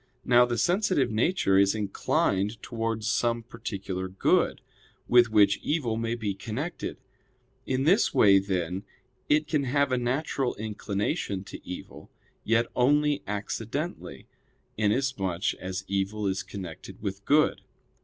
Now the sensitive nature is inclined towards some particular good, with which evil may be connected. In this way, then, it can have a natural inclination to evil; yet only accidentally, inasmuch as evil is connected with good.